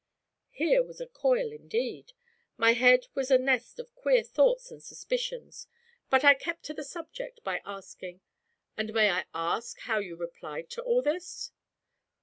Here was a coil indeed. My head was a nest of queer thoughts and suspicions, but I kept to the subject by asking: 'And may I ask how you replied to all this?'